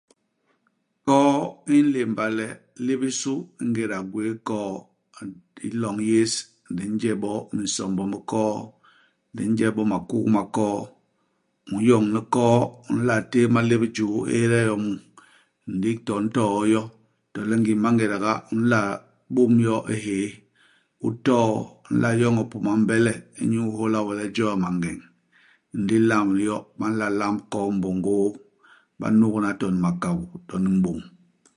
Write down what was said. Koo i nlémba le, li bisu ingéda u gwéé koo, i i loñ yés, di nje bo minsombo mi koo, di nje bo makuk ma koo. U n'yoñ ni koo, u nla téé malép i juu, u éde yo mu, ndi to u ntoo yo. To le ngim i mangéda nga, u nla bôm yo i hyéé, u too. U nla yoñ hipuma hi mbele inyu ihôla we le u jôa mangeñ, ndi u lamb yo. Ba nla lamb koo mbôngôô, ba nugna to ni makabô, to ni m'bôñ.